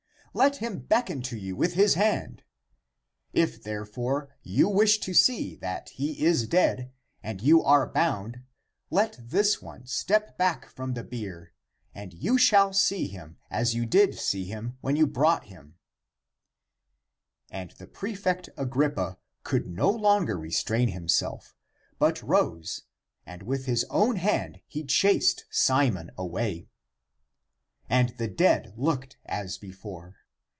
Let him beckon to you with his hand. If therefore, you wish to see that he is dead and you are bound, let this one step back from the bier, and you shall see him as you did see him when you brought him," And the prefect Agrippa could no longer restrain himself, but rose and with his own hand he chased Simon away. And the dead looked as before.